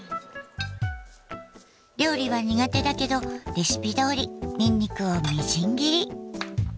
料理は苦手だけどレシピどおりニンニクをみじん切り。